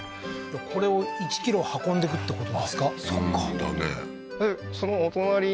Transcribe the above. これを１ｋｍ運んでくってことですか？